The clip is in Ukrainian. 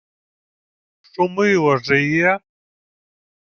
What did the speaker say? — Шумило жиє?